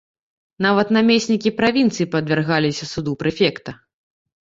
Нават намеснікі правінцый падвяргаліся суду прэфекта.